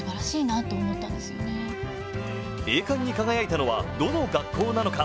栄冠に輝いたのはどの学校なのか。